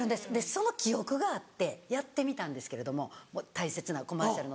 その記憶があってやってみたんですけれども大切なコマーシャルの前日。